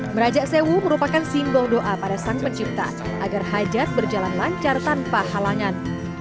meraja sewu merupakan simbol doa pada sang pencipta agar hajat berjalan lancar tanpa halangan